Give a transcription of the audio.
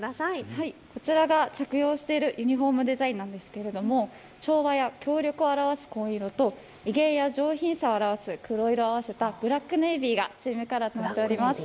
こちらが着用しているユニフォームデザインですが、調和や協力を表す紺色と威厳や上品さを表す黒色を合わせたブラックネービーがチームカラーとなっています。